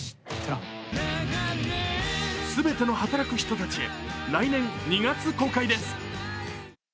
全ての働く人たちへ、来年２月公開です。